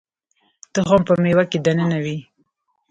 تخم په مېوه کې دننه وي